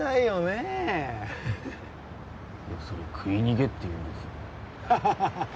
えいやそれ食い逃げって言うんですよ